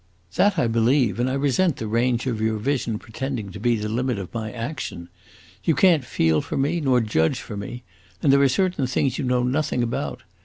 "That I believe, and I resent the range of your vision pretending to be the limit of my action. You can't feel for me nor judge for me, and there are certain things you know nothing about.